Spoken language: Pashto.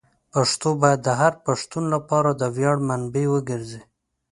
پښتو باید د هر پښتون لپاره د ویاړ منبع وګرځي.